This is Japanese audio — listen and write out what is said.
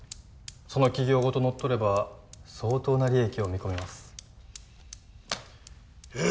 その企業ごと乗っ取れば相当な利益を見込めますよ